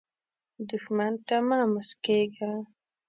دښمن ته مه مسکېږه